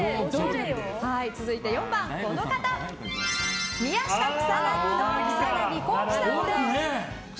続いて４番、宮下草薙の草薙航基さんです。